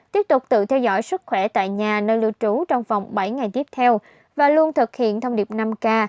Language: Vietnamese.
tiếp tục tự theo dõi sức khỏe tại nhà nơi lưu trú trong vòng bảy ngày tiếp theo và luôn thực hiện thông điệp năm k